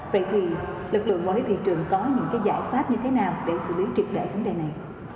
vậy thì lực lượng ngoại hữu thị trường có những giải pháp như thế nào để xử lý trực đẩy vấn đề này